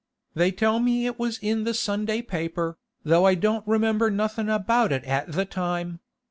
They tell me it was in the Sunday paper, though I don't remember nothing about it at the time.